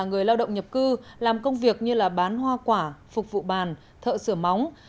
người lao động nhập cư làm công việc như bán hoa quả phục vụ bàn thợ sửa móng